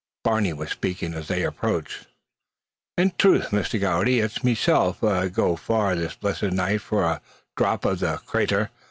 Barney was speaking as they approached. "In trath, Misther Gowdey, an' it's meself 'ud go far this blissed night for a dhrap o' the crayter.